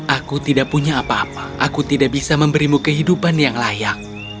aku tidak punya apa apa aku tidak bisa memberimu kehidupan yang layak